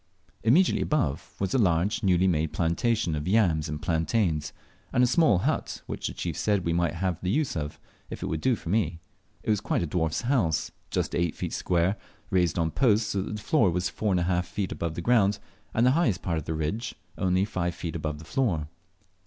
Immediately above was a large newly made plantation of yams and plantains, and a small hot, which the chief said we might have the use of, if it would do for me. It was quite a dwarf's house, just eight feet square, raised on posts so that the floor was four and a half feet above the ground, and the highest part of the ridge only five feet above the flour.